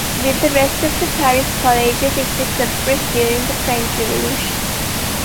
With the rest of the Paris colleges, it was suppressed during the French Revolution.